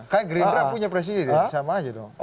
kan gerindra punya presiden sama aja dong